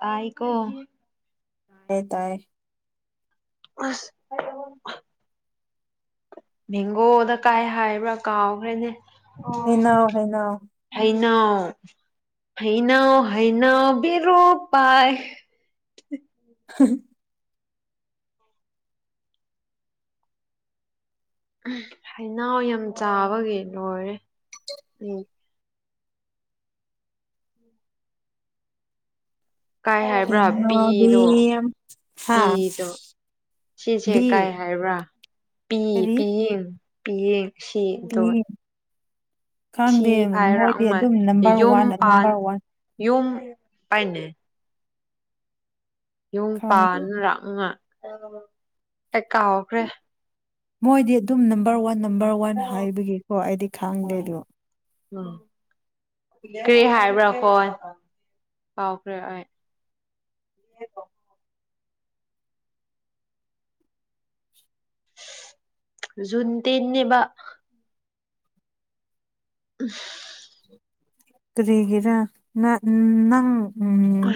ꯇꯥꯏ ꯀꯣ [unintelligible] ꯇꯥꯏ ꯑꯁ [unintelligible] ꯃꯦꯡꯒꯣꯗ ꯀꯥꯏ ꯍꯥꯏꯕ꯭ꯔꯥ ꯀꯥꯎꯈ꯭ꯔꯦꯅꯦ ꯑꯣ ꯍꯩꯅꯧ ꯍꯩꯅꯧ ꯍꯩ ꯅꯧ ꯍꯩꯅꯧ ꯍꯩꯅꯧ ꯕꯤꯔꯨ ꯄꯥꯏ [inaudible] ꯍ ꯍ ꯍꯩꯅꯧꯌꯥꯝ ꯆꯥꯕꯒꯤ ꯂꯣꯏꯔꯦ ꯎꯝ ꯀꯥꯏ ꯍꯥꯏꯕ꯭ꯔꯥ ꯍꯩꯅꯧꯗꯤ ꯄꯤꯗꯣ ꯍꯥ ꯄꯤꯗꯣ ꯁꯤꯁꯦ ꯕꯤ ꯀꯥꯏ ꯍꯥꯏꯕ꯭ꯔꯥ ꯄꯤ ꯀꯔꯤ ꯄꯤꯌꯤꯡ ꯄꯤꯌꯤꯡ ꯄꯤ ꯁꯤꯗꯣꯠ ꯊꯤ ꯈꯪꯗꯦ ꯃꯣꯏꯗꯤ ꯐꯥꯏꯔꯥꯛꯃ ꯑꯗꯨꯝ ꯅꯝꯕꯔ ꯌꯨꯝ ꯋꯥꯟ ꯄꯥꯟ ꯅꯝꯕꯔ ꯋꯥꯟ ꯌꯨꯝ ꯄꯥꯏꯅꯦ ꯌꯨꯝ ꯈꯪꯗꯦ ꯄꯥꯟ ꯂꯥꯛꯅꯉꯥꯏ ꯑꯩ ꯀꯥꯎꯈ꯭ꯔꯦ ꯃꯣꯏꯗꯤ ꯗꯨꯝ ꯅꯝꯕꯔ ꯋꯥꯟ ꯅꯝꯕꯔ ꯋꯥꯟ ꯍꯥꯏꯕꯒꯤꯀꯣ ꯑꯩꯗꯤ ꯈꯥꯡꯗꯦꯗꯣ [unintelligible] ꯀ꯭ꯔꯤ ꯍꯥꯏꯕ꯭ꯔꯥ ꯐꯣꯟ ꯀꯥꯎꯈ꯭ꯔꯦ ꯑꯩ [unintelligible] ꯖꯨꯟ ꯇꯤꯟꯅꯦꯕ [inaudible] ꯀꯔꯤꯒꯤꯔ ꯅꯥ ꯅꯪ ꯎꯝ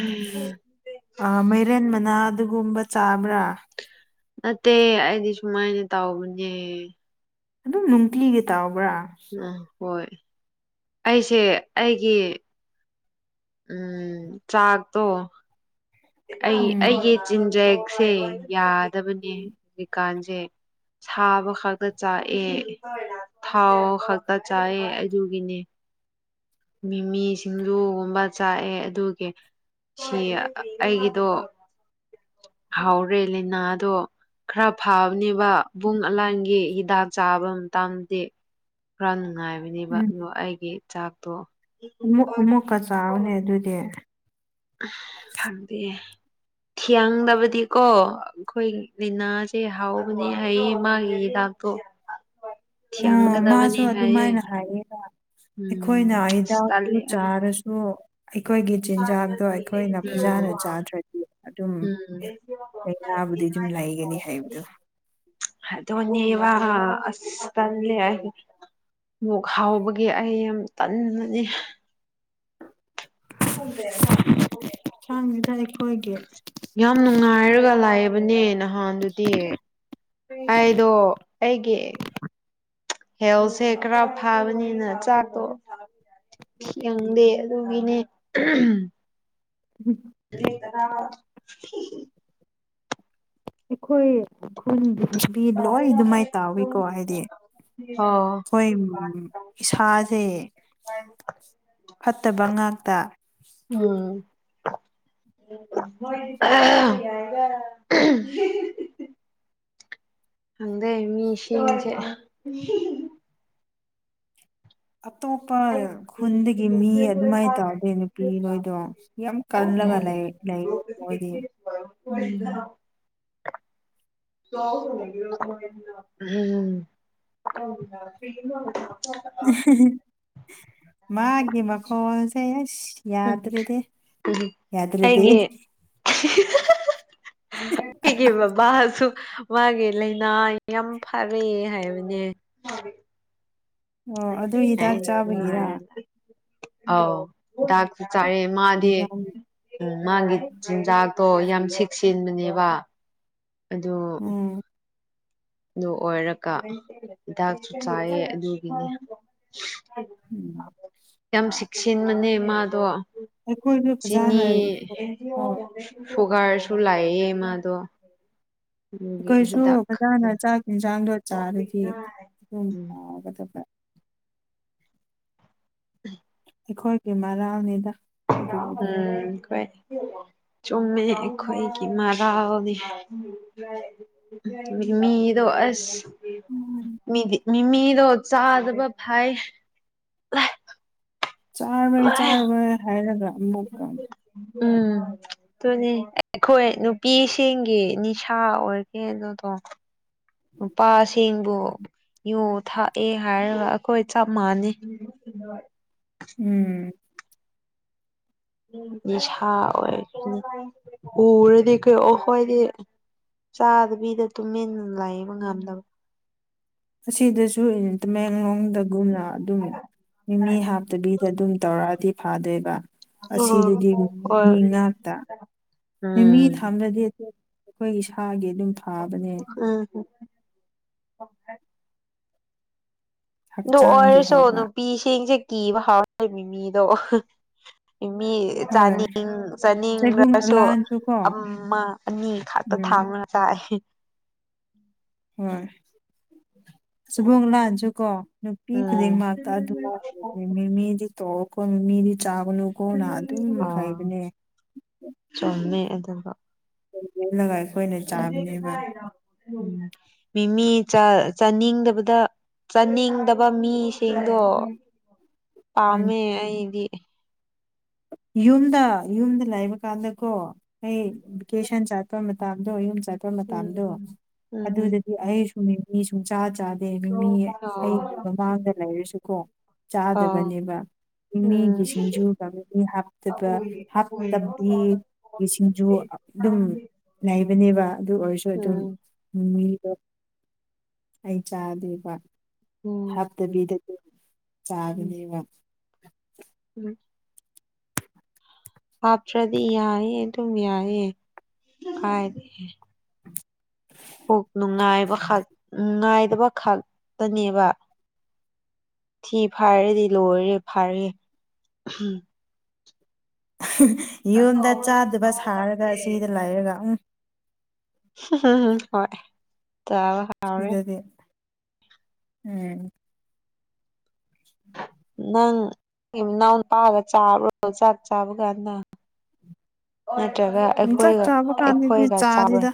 ꯑꯥ ꯃꯩꯔꯦꯟ ꯃꯅꯥ ꯗꯨꯒꯨꯝꯕ ꯆꯥꯕ꯭ꯔꯥ ꯅꯠꯇꯦ ꯑꯩꯗꯤ ꯁꯨꯃꯥꯏꯅ ꯇꯧꯕꯅꯦ ꯑꯗꯨꯝ ꯅꯨꯡꯇꯤꯂꯤꯒꯤ ꯇꯥꯎ ꯑꯥ ꯍꯣꯏ ꯑꯩꯁꯦ ꯑꯩꯒꯤ ꯎꯝ ꯆꯥꯥꯛ ꯇꯣ ꯑꯩ ꯎꯝ ꯑꯩꯒꯤ ꯆꯤꯟꯖꯦꯛꯁꯦ ꯌꯥꯗꯕꯅꯦ ꯍꯧꯖꯤꯛꯀꯥꯟꯁꯦ ꯁꯥꯕ ꯈꯛꯇ ꯆꯥꯛꯑꯦ ꯊꯥꯎ ꯈꯛꯇ ꯆꯥꯏꯑꯦ ꯑꯗꯨꯒꯤꯅꯦ ꯃꯤꯃꯤ ꯁꯤꯡꯖꯨꯒꯨꯝꯕ ꯆꯥꯛꯑꯦ ꯑꯗꯨꯒꯤ ꯁꯤ ꯑꯩꯒꯤꯗꯣ ꯍꯥꯎꯔꯦ ꯂꯤꯅꯥꯗꯣ ꯈꯥꯔ ꯐꯕꯅꯦꯕ ꯥꯕꯨꯡ ꯑꯂꯥꯟꯒꯤ ꯍꯤꯗꯥꯛ ꯆꯥꯕ ꯃꯇꯥꯝꯁꯤ ꯀꯟ ꯉꯥꯏꯕꯅꯦꯕ ꯎꯝ ꯑꯗꯣ ꯑꯩꯒꯤ ꯆꯥꯛꯇꯣ ꯑꯃꯨꯛ ꯑꯃꯨꯛꯀ ꯆꯥꯎꯅꯦ ꯑꯗꯨꯗꯤ ꯐꯪꯗꯦ ꯊꯤꯌꯥꯡꯗꯕꯗꯤꯀꯣ ꯈꯣꯏ ꯒꯤꯅ ꯁꯤ ꯍꯥꯎꯕꯅꯤ ꯍꯥꯏꯌꯦ ꯃꯥꯒꯤ ꯍꯤꯗꯥꯛ ꯇꯣ ꯎꯝ ꯃꯥꯁꯨ ꯊꯤꯌꯥꯡꯒꯗꯕꯅꯦ ꯍꯥꯏꯌꯦ ꯑꯗꯨꯃꯥꯏꯅ ꯍꯥꯏꯌꯦ ꯎꯝ ꯑꯩꯈꯣꯏꯅ ꯏꯁ ꯍꯤꯗꯥꯛꯇꯨ ꯇꯜꯂꯦ ꯑꯩ ꯆꯥꯔꯁꯨ ꯑꯩꯈꯣꯏꯒꯤ ꯆꯤꯟꯖꯥꯛꯇꯣ ꯑꯩꯈꯣꯏꯅ ꯎꯝ ꯐꯖꯅ ꯆꯥꯗ꯭ꯔꯗꯤ ꯑꯗꯨꯝ ꯎꯝ ꯂꯩꯅꯕꯨꯗꯤ ꯗꯨꯝ ꯂꯩꯒꯅꯤ ꯍꯥꯏꯕꯗꯣ ꯑꯗꯨꯅꯤꯕ ꯑꯁ ꯇꯜꯂꯦ ꯑꯩꯗꯤ ꯃꯨꯛ ꯍꯥꯎꯕꯒꯤ ꯑꯩ ꯌꯥꯝ ꯇꯟꯕꯅꯤ [unintelligible] [unintelligible] ꯌꯥꯝ ꯅꯨꯡꯉꯥꯏꯔꯒ ꯂꯩꯕꯅꯦ ꯅꯍꯥꯟꯗꯨꯗꯤ ꯑꯩꯗꯣ ꯑꯩꯒꯤ ꯍꯦꯜꯁꯦ ꯈꯥꯔ ꯐꯥꯕꯅꯤꯅ ꯆꯥꯛꯇꯣ ꯐꯤꯌꯪꯗꯦ ꯑꯗꯨꯒꯤꯅꯦ [unintelligible] [inaudible] ꯑꯩꯈꯣꯏ ꯈꯨꯟꯒꯤ ꯅꯨꯄꯤ ꯂꯣꯏ ꯗꯨꯃꯥꯏꯅ ꯇꯥꯎꯋꯤꯀꯣ ꯍꯥꯏꯗꯤ ꯑꯣ ꯈꯣꯏ ꯎꯝ ꯏꯁꯥꯁꯦ ꯐꯩ ꯐꯠꯇꯕ ꯉꯥꯛ ꯎꯝ ꯑꯍꯥꯍꯥ ꯎꯝꯍꯨꯝ ꯈꯪꯗꯦ ꯃꯤꯁꯤꯡꯁꯦ ꯑꯇꯣꯞꯄ ꯈꯨꯟꯗꯒꯤ ꯃꯤ ꯑꯗꯨꯃꯥꯏꯅ ꯇꯧꯗꯦ ꯅꯨꯄꯤ ꯅꯣꯏꯗꯣ ꯌꯥꯝ ꯀꯜꯂꯒ ꯎꯝ ꯂꯩ ꯂꯩꯌꯦ ꯃꯣꯏꯗꯤ [unintelligible] [inaudible] ꯎꯝ ꯍꯨꯝ ꯍꯨꯝ ꯑꯦꯍꯦꯍꯦ ꯃꯥꯒꯤꯃꯈꯣꯟꯁꯦ ꯑꯁ ꯌꯥꯗ꯭ꯔꯦꯗꯦ ꯌꯥꯗ꯭ꯔꯦꯗꯦ ꯏꯩꯒꯤ ꯕꯥꯕꯥ ꯁꯨ ꯃꯥꯒꯤ ꯂꯩꯅꯥ ꯌꯥꯝ ꯐꯔꯦ ꯍꯥꯏꯕꯅꯦ ꯑꯣ ꯑꯗꯨ [unintelligible] ꯍꯤꯗꯥꯛ ꯆꯥꯕꯒꯤꯔ [unintelligible] ꯑꯥꯎ ꯗꯥꯛ ꯆꯥꯏꯌꯦ ꯃꯥꯗꯤ ꯌꯥꯝ ꯎꯝ ꯃꯥꯒꯤ ꯆꯤꯟꯖꯥꯛ ꯇꯣ ꯌꯥꯝ ꯆꯦꯛꯁꯤꯟꯕꯅꯦꯕ ꯑꯗꯨ ꯎꯝ ꯑꯗꯨ ꯑꯣꯏꯔꯒ ꯍꯤꯗꯥꯛꯁꯨ ꯆꯥꯏꯌꯦ ꯑꯗꯨꯒꯤꯅꯦ ꯎꯝ ꯌꯥꯝ ꯁꯦꯛꯁꯤꯟꯕꯅꯦ ꯃꯥꯗꯣ ꯑꯩꯈꯣꯏꯁꯨ ꯆꯤꯅꯤ ꯐꯖꯅ ꯑꯣ ꯐꯨꯒꯥꯏꯔꯁꯨ ꯂꯥꯌꯦ ꯃꯥꯗꯣ ꯑꯗꯨꯒꯤ ꯍꯤꯗꯥꯛ ꯈꯛꯇ ꯃꯥꯅ ꯆꯥꯛ ꯌꯦꯟꯁꯥꯡꯗꯣ ꯆꯥꯔꯗꯤ ꯑꯗꯨꯝ ꯎꯝ ꯐꯒꯗꯕ ꯑꯩꯈꯣꯏꯒꯤ ꯃꯔꯥꯜꯅꯦꯗ ꯎꯝ ꯀꯩ ꯆꯨꯝꯃꯦ ꯑꯩꯈꯣꯏꯒꯤ ꯃꯥꯔꯥꯜꯅꯦ ꯃꯤꯃꯤꯗꯣ ꯑꯁ ꯃꯤꯗꯤ ꯃꯤꯃꯤꯗꯣ ꯆꯥꯗꯕ ꯐꯩꯌꯦ ꯆꯥꯔꯣꯏ ꯆꯥꯔꯣꯏ ꯍꯥꯏꯔꯒ ꯑꯃꯨꯛꯀ ꯎꯝ ꯑꯗꯨꯅꯦ ꯑꯩꯈꯣꯏ ꯅꯨꯄꯤꯁꯤꯡꯒꯤ ꯅꯤꯁꯥ ꯑꯣꯏꯕꯅꯦ ꯑꯗꯨꯗꯣ ꯅꯨꯄꯥꯁꯤꯡꯕꯨ ꯌꯨ ꯊꯛꯑꯦ ꯍꯥꯏꯔꯒ ꯍꯣꯏ ꯆꯞ ꯃꯥꯟꯅꯩ ꯎꯝ ꯅꯤꯁꯥ ꯑꯣꯏ ꯎꯔꯗꯤ ꯀꯣ ꯑꯈꯣꯏꯗꯤ ꯆꯥꯗꯕꯤꯗ ꯇꯨꯃꯤꯟ ꯂꯩꯕ ꯉꯝꯗꯕ ꯑꯁꯤꯗꯁꯨ ꯇꯥꯃꯦꯡꯂꯣꯡꯗꯒꯨꯝꯅ ꯑꯗꯨꯝ ꯃꯤꯃꯤ ꯍꯥꯞꯇꯕꯤꯗ ꯑꯗꯨꯝ ꯇꯧꯔꯛꯑꯗꯤ ꯐꯥꯗꯣꯏꯕ ꯑꯁꯤꯗꯗꯤ ꯍꯣꯏ ꯃꯤ ꯉꯥꯛꯇ ꯃꯤꯃꯤ ꯎꯝ ꯊꯝꯗ꯭ꯔꯥꯗꯤ ꯑꯩꯈꯣꯏ ꯏꯁꯥꯒꯤ ꯑꯗꯨꯝ ꯊꯥꯕꯅꯦ ꯎꯝ [unintelligible] [inaudible] ꯑꯗꯨ ꯍꯛꯆꯥꯡꯒꯤ ꯑꯣꯏꯔꯁꯨ ꯍꯩꯕ ꯅꯨꯄꯤꯁꯤꯡꯁꯦ ꯀꯤꯕ ꯍꯧꯔꯦ ꯃꯤꯃꯤꯗꯣ ꯑꯍꯥ ꯃꯤ ꯍꯣꯏ ꯆꯥꯅꯤꯡ ꯆꯩꯕꯨꯡ ꯆꯥꯅꯤꯡꯔꯁꯨ ꯂꯥꯟꯁꯨ ꯀꯣ ꯑꯃ ꯑꯅꯤ ꯈꯛꯇ ꯎꯝ ꯊꯥꯡꯔꯒ ꯆꯥꯏꯑꯦ [inaudible] ꯍꯣꯏ [unintelligible] ꯎꯝ [unintelligible] ꯃꯤꯃꯤꯗꯤ ꯆꯥꯒꯅꯨꯀꯣꯅ ꯑꯗꯨꯝ ꯑ ꯍꯥꯏꯕꯅꯦ ꯆꯨꯝꯃꯦ ꯑꯗꯨꯝꯕ [unintelligible] ꯑꯈꯣꯏꯅ ꯆꯥꯕꯅꯦꯕ ꯃꯤꯃꯤ ꯆꯥ ꯆꯥꯅꯤꯡꯗꯕꯗ ꯆꯥꯅꯤꯡꯗꯕ ꯃꯤꯁꯤꯡꯗꯣ ꯎꯝ ꯄꯥꯝꯃꯦ ꯑꯩꯗꯤ ꯌꯨꯝꯗ ꯌꯨꯝꯗ ꯂꯩꯕ ꯀꯥꯟꯗꯀꯣ ꯑꯩ ꯚꯤꯀꯦꯁꯟ ꯆꯠꯄ ꯃꯠ ꯃꯇꯝꯗꯣ ꯌꯨꯝ ꯆꯠꯄ ꯎꯝ ꯃꯇꯝꯗꯣ ꯎꯝ ꯑꯗꯨꯗꯗꯤ ꯑꯩ ꯁꯨꯝ ꯃꯤ ꯃꯤ ꯁꯨꯡꯆꯥ ꯆꯥ ꯆꯥꯗꯦ ꯃꯤꯃꯤ ꯎꯝ ꯑꯩꯒꯤ ꯃꯃꯥꯡꯗ ꯂꯩꯔꯁꯨꯀꯣ ꯑꯥ ꯆꯥꯗꯕꯅꯦꯕ ꯎꯝ ꯃꯤꯃꯤꯒꯤ ꯁꯤꯡꯖꯨꯒ ꯑꯃꯨꯛ ꯃꯤꯃꯤ ꯍꯥꯞꯇꯕ ꯍꯥꯞꯇꯕꯤ ꯁꯤꯡꯖꯨ ꯑꯗꯨꯝ ꯂꯩꯕꯅꯦꯕ ꯑꯗꯨ ꯑꯣꯏꯔꯁꯨ ꯑꯗꯨꯝ ꯎꯝ ꯃꯤꯗꯣ ꯑꯩ ꯆꯥꯗꯦꯕ ꯎꯝ ꯍꯥꯞꯇꯕꯤꯗ ꯎꯝ ꯆꯥꯒꯅꯦꯕ ꯎꯝ ꯍꯥꯞꯇ꯭ꯔꯗꯤ ꯌꯥꯏꯌꯦ ꯑꯗꯨꯝ ꯌꯥꯏꯌꯦ ꯀꯥꯏ ꯀꯣꯛꯅꯨꯡꯉꯥꯏꯕ ꯈꯛ ꯅꯨꯡꯉꯥꯏꯇꯕ ꯈꯛꯇꯅꯦꯕ ꯊꯤ ꯐꯥꯏꯔꯗꯤ ꯂꯣꯏꯔꯦ ꯐꯔꯦ ꯌꯨꯝꯗ ꯆꯥꯗꯕ ꯁꯥꯔꯒ ꯁꯤꯗ ꯂꯩꯔꯒ ꯎꯝ ꯍꯣꯏ ꯆꯥꯕ ꯍꯥꯎꯔꯦ ꯎꯝ ꯅꯪ ꯏꯅꯥꯎꯅꯨꯄꯥꯒ ꯆꯥꯕ꯭ꯔꯣ ꯆꯥꯛ ꯆꯥꯕ ꯀꯥꯟꯗ ꯑꯣ ꯅꯠ ꯇ꯭ꯔꯒ ꯎꯝ ꯆꯥꯛ ꯑꯩꯈꯣꯏꯒ ꯆꯥꯕ ꯀꯥꯟꯗꯗꯤ ꯑꯩꯈꯣꯏꯒ ꯆꯥꯛ ꯆꯥꯗꯦꯗ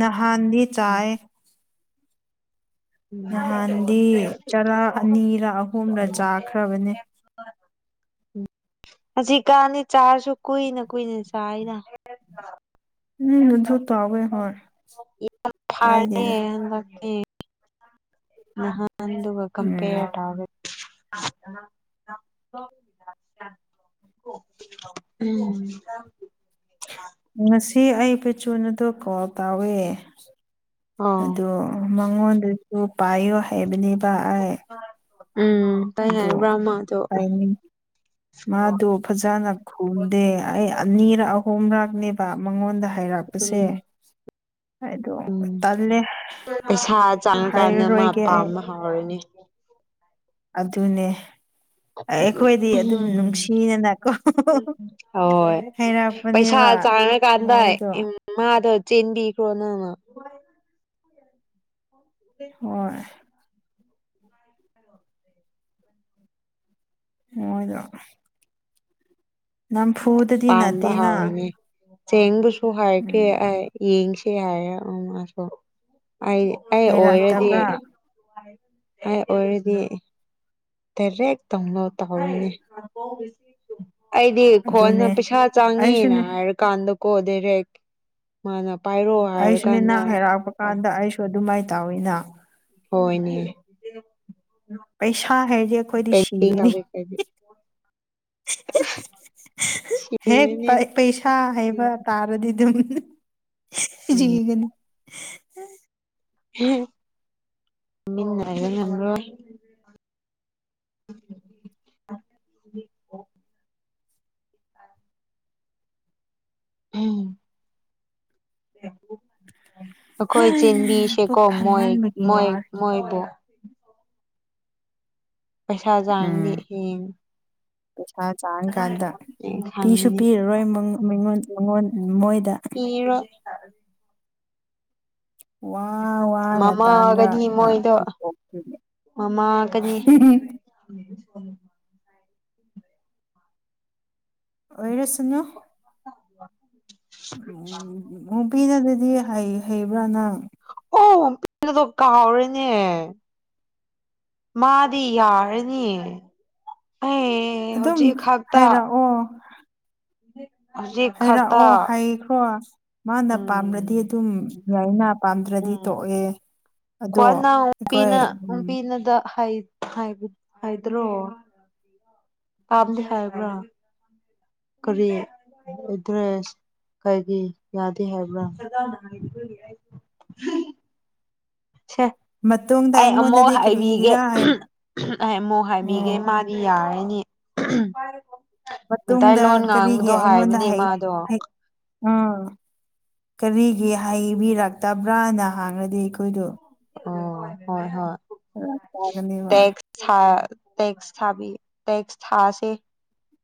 ꯅꯍꯥꯟꯗꯤ ꯆꯥꯏ ꯅꯍꯥꯟꯗꯤ ꯆꯔꯥ ꯑꯅꯤꯔ ꯑꯍꯨꯝꯔ ꯆꯥꯈ꯭ꯔꯕꯅꯦ ꯍꯧꯖꯤꯛ ꯀꯥꯟꯗꯤ ꯆꯥꯔꯁꯨ ꯀꯨꯏꯅ ꯀꯨꯏꯅ ꯆꯥꯏꯗ [unintelligible] ꯌꯥꯝ ꯐꯥꯔꯦ ꯀꯥꯏꯗꯦꯗ ꯍꯟꯗꯛꯇꯤ ꯅꯍꯥꯟꯗꯨꯒ ꯎꯝ ꯀꯝꯄꯤꯌꯔ ꯇꯧꯔꯦ [inaudible] ꯎꯝ ꯉꯁꯤ ꯑꯩ ꯄꯦꯆꯨꯅꯣꯗꯣ ꯀꯣꯜ ꯇꯧꯋꯦ ꯑꯣ ꯑꯗꯨ ꯃꯉꯣꯟꯗꯨꯁꯨ ꯄꯥꯏꯌꯨ ꯍꯥꯏꯕꯅꯦꯕ ꯑꯩ ꯎꯝ ꯀꯩ ꯑꯗꯣ ꯍꯥꯏꯕ꯭ꯔꯥ ꯃꯥꯗꯣ ꯄꯥꯏꯅꯤꯡ ꯃꯥꯗꯣ ꯐꯖꯅ ꯈꯨꯝꯗꯦ ꯑꯩ ꯑꯅꯤꯔꯛ ꯑꯍꯨꯝꯔꯛꯅꯦꯕ ꯃꯉꯣꯟꯗ ꯍꯥꯏꯔꯛꯄꯁꯦ ꯎꯝ ꯑꯩꯗꯣ ꯎꯝ ꯇꯜꯂꯦ ꯄꯩꯁꯥ ꯆꯪꯉꯀꯥꯟꯗ ꯃꯥ ꯍꯥꯏꯔꯔꯣꯏꯒꯦ ꯑꯩ ꯄꯥꯝꯕ ꯍꯧꯔꯅꯤ ꯑꯗꯨꯅꯦ ꯑꯩꯈꯣꯏꯗꯤ ꯑꯗꯨꯝ ꯎꯝ ꯅꯨꯡꯁꯤꯅꯅꯀꯣ ꯍꯥꯏꯔꯛꯄꯅꯦ ꯁꯥ ꯆꯥꯔ ꯀꯥꯟꯗ ꯏꯝ ꯃꯥꯗꯣ ꯆꯦꯟꯕꯤꯈꯣ ꯅꯪꯅ ꯍꯣꯏ ꯄꯣꯏꯗ ꯄꯥꯝꯕ ꯅꯠꯇꯦꯅ ꯍꯥꯎꯔꯅꯤ ꯆꯦꯡꯕꯨꯁꯨ ꯍꯥꯏꯒꯦ ꯎꯝ ꯑꯩ ꯌꯦꯡꯁꯤ ꯍꯥꯏꯔ ꯎꯝ ꯑꯗꯣ ꯑꯩ ꯑꯩ ꯑꯣꯏꯔꯗꯤ ꯍꯩꯔꯛꯇꯕ꯭ꯔꯥ ꯑꯩ ꯑꯣꯏꯔꯗꯤ ꯗꯥꯏꯔꯦꯛ ꯇꯧꯅ ꯇꯧꯅꯅꯤꯡꯉꯦ ꯑꯩꯗꯤ ꯈꯣꯟꯅ ꯑꯗꯨꯅꯦ ꯄꯩꯁꯥ ꯆꯥꯡꯉꯦꯅ ꯑꯩꯁꯨꯅꯦ ꯍꯥꯏꯔꯀꯥꯟꯗꯀꯣ ꯗꯥꯏꯔꯦꯛ ꯃꯥꯅ ꯄꯥꯏꯔꯣ ꯑꯩꯁꯨ ꯍꯥꯏꯔꯀꯥꯟꯗ ꯅꯪ ꯍꯥꯏꯩꯔꯥꯛꯄ ꯀꯥꯟꯗ ꯑꯩꯁꯨ ꯑꯗꯨꯃꯥꯏꯅ ꯇꯧꯋꯤꯅ ꯍꯣꯏꯅꯦ ꯄꯩꯁꯥ ꯍꯥꯏꯔꯗꯤ ꯑꯩꯈꯣꯏꯗꯤ ꯄꯦꯟꯇꯤꯡ ꯁꯤꯒꯅꯤ ꯇꯧꯔꯦ [inaudible] ꯍꯦꯛ ꯏꯔꯅꯦ ꯄꯩꯁꯥ ꯍꯩꯕ ꯇꯥꯔꯗꯤ ꯑꯗꯨꯒꯤꯅꯤ ꯁꯤꯒꯅꯤ [unintelligible] [inaudible] ꯎꯝ ꯀꯣꯏ ꯆꯦꯟꯕꯤꯁꯦ ꯄꯨꯛ ꯀꯣ ꯃꯣꯏ ꯊꯟꯃꯟꯕꯒꯤ ꯃꯣꯏ ꯋꯥꯔꯦ ꯃꯣꯏꯕꯣ ꯄꯩꯁꯥ ꯆꯥꯡꯂꯤ ꯎꯝ ꯍ ꯄꯩꯁꯥ ꯆꯥꯡ ꯀꯥꯟꯗ ꯄꯤꯁꯨ ꯈꯪꯒꯅꯤ ꯄꯤꯔꯔꯣꯏꯉꯣꯟ ꯃꯉꯣꯟ ꯃꯣꯏ ꯄꯤꯔꯣꯏ ꯋꯥ ꯋꯥꯅ ꯃꯃꯥꯒꯗꯤ ꯇꯥꯟꯔꯒ ꯃꯣꯏꯗꯣ ꯄꯤꯊꯣꯛꯇꯣꯏꯅꯦ ꯃꯥꯃꯥꯒꯅꯤ ꯑꯣꯏꯔꯁꯅꯨ ꯎꯝ ꯃꯨꯄꯤꯅꯗꯗꯤ ꯍ ꯩ ꯍꯩꯕ꯭ꯔꯥꯅꯪ ꯑꯣ ꯄꯤꯗ ꯀꯥꯥꯎꯔꯦꯅꯦ ꯃꯥꯗꯤ ꯌꯥꯔꯅꯤ ꯑꯩ ꯑꯗꯨꯝ ꯍꯧꯖꯤꯛ ꯈꯛꯇ ꯍꯥꯏꯔꯛꯑꯣ [inaudible] ꯈꯛꯇ ꯍꯥꯏꯔꯛꯑꯣ ꯍꯥꯏꯈ꯭ꯔꯣ ꯃꯥꯅ ꯄꯥꯝꯂꯗꯤ ꯎꯝ ꯑꯗꯨꯝ ꯌꯥꯏꯅ ꯄꯥꯝꯗ꯭ꯔꯗꯤ ꯇꯣꯛꯑꯦ ꯑꯗꯣ ꯎꯝ ꯑꯩꯈꯣꯏ ꯎꯝ ꯅꯨꯄꯤꯅꯒ ꯍꯥꯏ ꯍꯥꯏꯕ ꯍꯥꯏꯗ꯭ꯔꯣ ꯀꯝꯗꯤ ꯍꯥꯏꯕ꯭ꯔꯥ ꯀꯔꯤ ꯑꯦꯗ꯭ꯔꯦꯁ ꯀꯔꯤꯒꯤ ꯌꯥꯗꯦ ꯍꯥꯏꯕ꯭ꯔꯥ ꯁꯦ ꯃꯇꯨꯡꯗ ꯑꯩ ꯑꯃꯨꯛ ꯑꯩꯉꯣꯟꯗꯗꯤ ꯍꯥꯏꯕꯤꯒꯦ ꯀꯔꯤꯒꯤꯔꯥ ꯍꯥꯏ ꯑꯩ ꯑꯃꯨꯛ ꯎꯝ ꯍꯥꯏꯕꯤꯒꯦ ꯃꯥꯗꯤ ꯌꯥꯔꯦ ꯅꯤ ꯃꯇꯨꯡꯗ ꯃꯤꯇꯩꯇꯩꯂꯣꯟ ꯀꯔꯤꯒꯤ ꯉꯥꯡꯕꯗꯣ ꯑꯩꯉꯣꯟꯗ ꯍꯥꯏꯕꯅꯦ ꯍꯩ ꯏꯃꯥꯗꯣ ꯍꯩ ꯎꯝ ꯀꯔꯤꯒꯤ ꯍꯥꯏꯕꯤꯔꯛꯇꯕ꯭ꯔꯥꯅ ꯍꯥꯡꯉꯗꯤ ꯑꯩꯈꯣꯏꯗꯣ ꯑꯣ ꯍꯣꯏ ꯍꯣꯏ ꯇꯦꯛꯁ [unintelligible] ꯇꯦꯛꯁ ꯊꯥꯕꯤ ꯇꯦꯛꯁ ꯊꯥꯁꯤ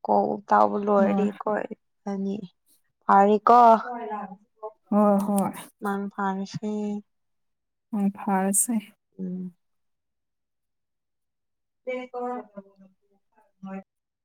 ꯀꯣꯜ ꯇꯥꯎꯕ ꯂꯣꯏꯔꯗꯤ ꯍꯣꯏ ꯀꯣꯏ ꯑꯅꯤ ꯐꯔ ꯀꯣ ꯍꯣꯏ ꯍꯣꯏ ꯎꯝ ꯎ ꯐꯔꯁꯦ ꯎꯝ [inaudible]